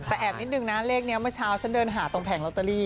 แต่แอบนิดนึงนะเลขนี้เมื่อเช้าฉันเดินหาตรงแผงลอตเตอรี่